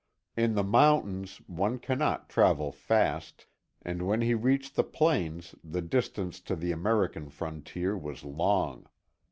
In the mountains one cannot travel fast, and when he reached the plains the distance to the American frontier was long.